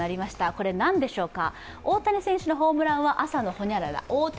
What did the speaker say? これ、何でしょうか。